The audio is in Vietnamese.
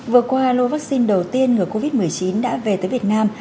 vừa qua lô vaccine đầu tiên người covid một mươi chín đã về tới việt nam